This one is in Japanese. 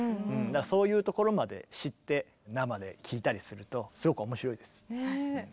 そういうところまで知って生で聴いたりするとすごく面白いです。